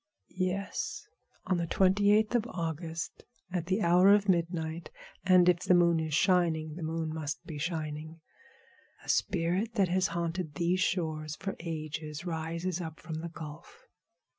"Yes. On the twenty eighth of August, at the hour of midnight, and if the moon is shining—the moon must be shining—a spirit that has haunted these shores for ages rises up from the Gulf.